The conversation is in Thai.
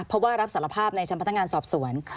เพราะว่ารับสารภาพในชั้นพนักงานสอบสวน